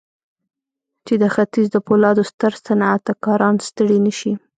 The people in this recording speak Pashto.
چې د ختيځ د پولادو ستر صنعتکاران ستړي نه شي.